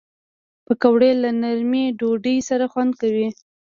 پکورې له نرمې ډوډۍ سره خوند کوي